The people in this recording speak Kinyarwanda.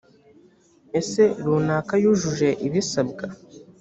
ese runaka yujuje ibisabwa?